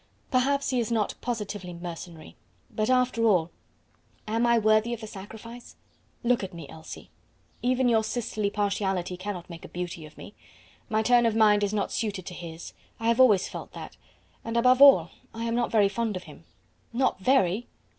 "Perhaps he is not positively mercenary; but after all am I worthy of the sacrifice? Look at me, Elsie; even your sisterly partiality cannot make a beauty of me. My turn of mind is not suited to his; I have always felt that; and, above all, I am not very fond of him." "Not very!"